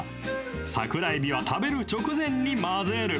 桜えびは食べる直前に混ぜる。